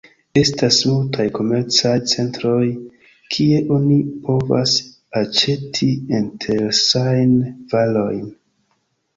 Estas multaj komercaj centroj kie oni povas aĉeti interesajn varojn.